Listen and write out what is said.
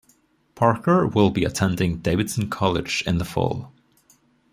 Parker will be attending Davidson College in the fall.